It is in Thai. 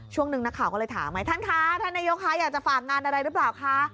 ช่วงหนึ่งนักข่าวก็เลยถามไงท่านคะท่านนายกคะอยากจะฝากงานอะไรหรือเปล่าคะ